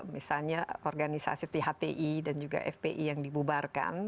misalnya organisasi phti dan juga fpi yang dibubarkan